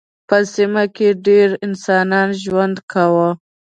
په سیمو کې ډېر انسانان ژوند کاوه.